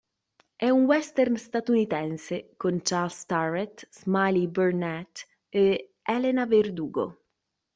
È un western statunitense con Charles Starrett, Smiley Burnette e Elena Verdugo.